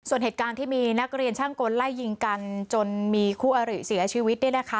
ส่วนเหตุการณ์ที่มีนักเรียนช่างกลไล่ยิงกันจนมีคู่อริเสียชีวิต